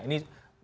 ini terima kasih